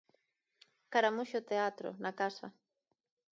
Caramuxo Teatro, Na Casa.